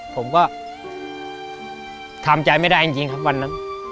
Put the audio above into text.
ผมก็ทำใจไม่ได้จริงครับวันนั้น